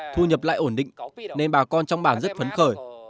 thu nhập lại ổn định nên bà con trong bản rất phấn khởi